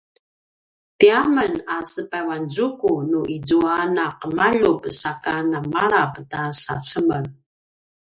tiamen a sepayuanzuku nu izua na’emaljup saka namalap ta sacemel